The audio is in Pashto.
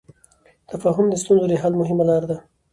تفاهم د ستونزو د حل مهمه لار ده.